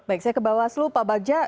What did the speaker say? baik saya kebawas lu pak bagja